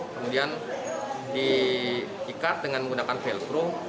kemudian diikat dengan menggunakan vel